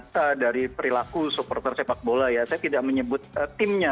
kita dari perilaku supporter sepak bola ya saya tidak menyebut timnya